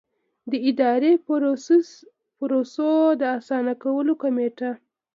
د اداري پروسو د اسانه کولو کمېټه.